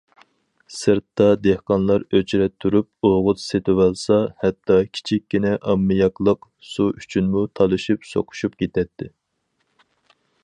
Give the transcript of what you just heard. سىرتتا دېھقانلار ئۆچرەت تۇرۇپ ئوغۇت سېتىۋالسا، ھەتتا كىچىككىنە ئاممىياكلىق سۇ ئۈچۈنمۇ تالىشىپ سوقۇشۇپ كېتەتتى.